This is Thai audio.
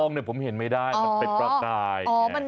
ทองเนี่ยผมเห็นไม่ได้มันเป็นประตาล